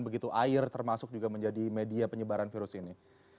begitu air termasuk juga menjadi media penyebaran virus ini